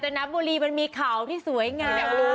กาญจนบุรีมันมีเข่าที่สวยงาน